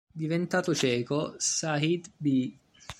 Diventato cieco, Saʿīd b.